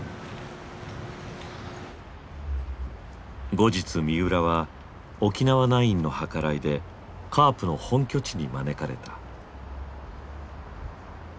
後日三浦は沖縄ナインの計らいでカープの本拠地に招かれた。